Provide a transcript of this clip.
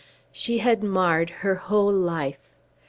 She had marred her whole life.